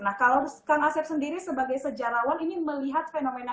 nah kalau kang asep sendiri sebagai sejarawan ini melihat fenomena ini seperti apa